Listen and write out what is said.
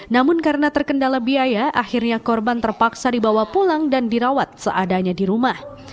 namun karena terkendala biaya akhirnya korban terpaksa dibawa pulang dan dirawat seadanya di rumah